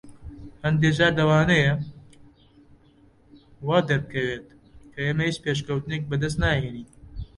هەندێک جار لەوانەیە وا دەربکەوێت کە ئێمە هیچ پێشکەوتنێک بەدەست ناهێنین.